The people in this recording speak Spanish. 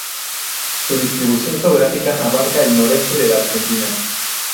Su distribución geográfica abarca el noreste de la Argentina.